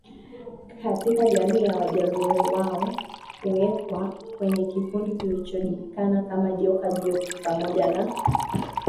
Katika jamii ya Wajaluo wao huwekwa kwenye kikundi kinachojulikana kama Joka Jok pamoja na